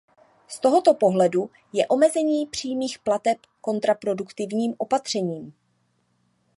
Z tohoto pohledu je omezení přímých plateb kontraproduktivním opatřením.